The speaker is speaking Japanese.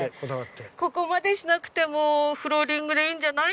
ここまでしなくてもフローリングでいいんじゃない？